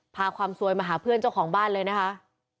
พาความซวยมาหาเพื่อนเจ้าของบ้านเลยนะคะ